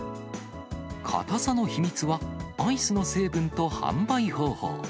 硬さの秘密は、アイスの成分と販売方法。